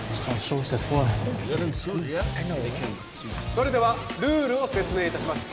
それではルールを説明いたします